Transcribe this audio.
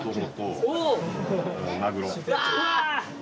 うわ！